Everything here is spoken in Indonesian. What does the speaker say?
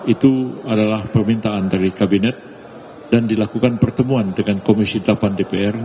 itu adalah permintaan dari kabinet dan dilakukan pertemuan dengan komisi delapan dpr